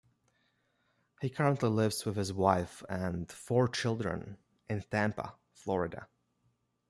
He currently lives with his wife and four children in Tampa, Florida.